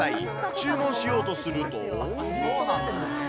注文しようとすると。